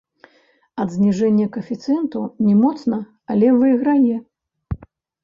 Ад зніжэння каэфіцыенту не моцна, але выйграе.